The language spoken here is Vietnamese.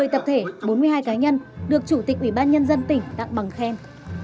một mươi tập thể bốn mươi hai cá nhân được chủ tịch ủy ban nhân dân tỉnh tặng bằng khen